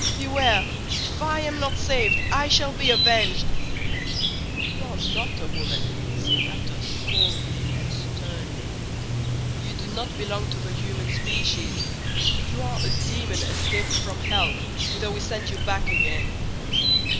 Beware! If I am not saved I shall be avenged." "You are not a woman," said Athos, coldly and sternly. "You do not belong to the human species; you are a demon escaped from hell, whither we send you back again."